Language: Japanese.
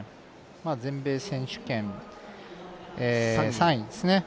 全米選手権、３位ですね。